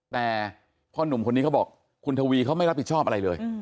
แต่พ่อหนุ่มคนนี้เขาบอกคุณทวีเขาไม่รับผิดชอบอะไรเลย